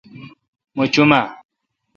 مہ چوم اؘ۔